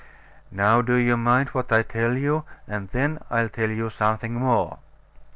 Now do you mind what I tell you, and then I'll tell you something more.